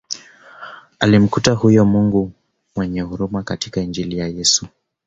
Alimkuta huyo Mungu mwenye huruma katika Injili ya Yesu